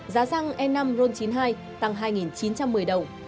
giá xăng e năm ron chín mươi hai tăng hai chín trăm linh đồng